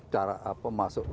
cara apa masuk tesnya